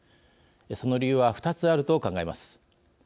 その理由は、２つあると考えます。